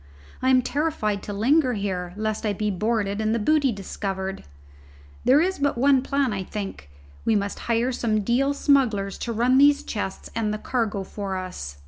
I am terrified to linger here, lest I be boarded and the booty discovered. There is but one plan, I think: we must hire some Deal smugglers to run these chests and the cargo for us.